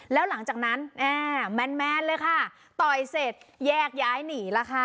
แล้วหลังจากนั้นแมนเลยค่ะต่อยเสร็จแยกย้ายหนีล่ะค่ะ